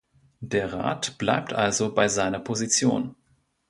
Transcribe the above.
Der Rat bleibt also bei seiner Position.